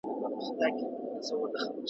چي مین پر ګل غونډۍ پر ارغوان وم `